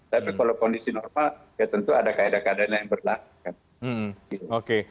tapi kalau kondisi normal ya tentu ada kaedah kaedah yang berlaku